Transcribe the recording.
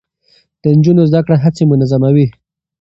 د نجونو زده کړه هڅې منظموي.